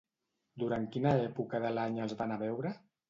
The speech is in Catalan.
Durant quina època de l'any els va anar a veure?